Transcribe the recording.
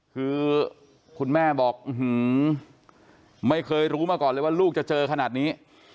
คือคุณแม่บอกไม่เคยรู้มาก่อนเลยว่าลูกจะเจอขนาดนี้